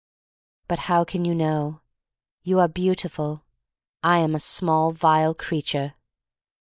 "But how can you know? "You are beautiful. I am a small, vile creature.